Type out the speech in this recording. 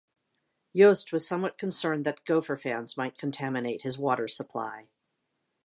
Yost was somewhat concerned that Gopher fans might contaminate his water supply.